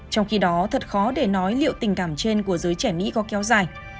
trong khi đó thật khó để nói liệu tình cảm trên của giới trẻ mỹ có kéo dài